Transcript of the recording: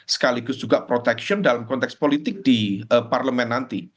sekaligus juga protection dalam konteks politik di parlemen nanti